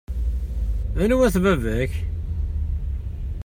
Anwa-t baba-k?